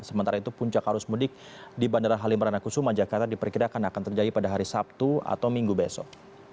sementara itu puncak arus mudik di bandara halim perdana kusuma jakarta diperkirakan akan terjadi pada hari sabtu atau minggu besok